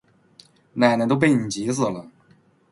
奶奶都被你急死了